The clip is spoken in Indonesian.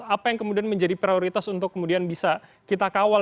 apa yang kemudian menjadi prioritas untuk kemudian bisa kita kawal